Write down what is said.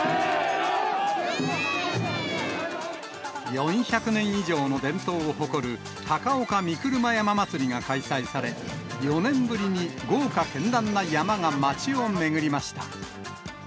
４００年以上の伝統を誇る高岡御車山祭が開催され、４年ぶりに豪華けんらんな山車が街を巡りました。